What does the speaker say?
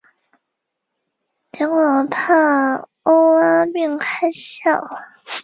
它们以生长在海底松散岩石和死珊瑚上的藻类及其他海洋植物为食。